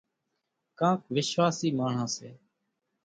ڪانڪ وِشواشِي ماڻۿان سي۔